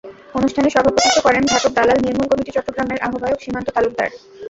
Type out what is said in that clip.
অনুষ্ঠানে সভাপতিত্ব করেন ঘাতক দালাল নির্মূল কমিটি চট্টগ্রামের আহ্বায়ক সীমান্ত তালুকদার।